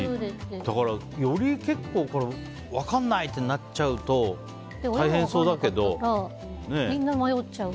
だから、より分かんないってなっちゃうとみんな迷っちゃう。